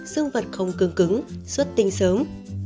xương vật không cương cứng suất tinh sớm